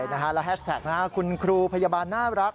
แล้วแฮชแท็กคุณครูพยาบาลน่ารัก